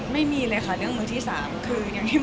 มีงี้คือไม่มีเลยค่ะ